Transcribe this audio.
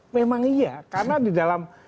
memang iya karena di dalam